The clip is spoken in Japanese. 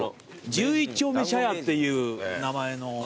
十一丁目茶屋っていう名前の。